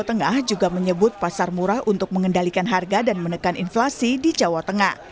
jawa tengah juga menyebut pasar murah untuk mengendalikan harga dan menekan inflasi di jawa tengah